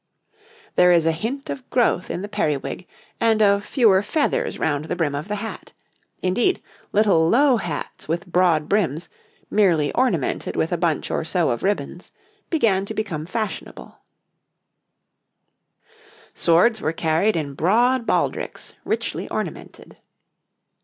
There is a hint of growth in the periwig, and of fewer feathers round the brim of the hat; indeed, little low hats with broad brims, merely ornamented with a bunch or so of ribbons, began to become fashionable. [Illustration: {A woman of the time of James II.}] Swords were carried in broad baldricks richly ornamented.